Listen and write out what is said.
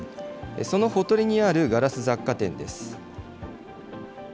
そのほとりにあるガラス雑貨店です。